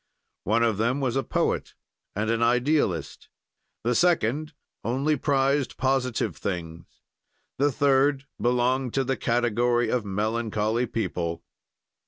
"One of them was a poet and an idealist. "The second only prized positive things. "The third belonged to the category of melancholy people.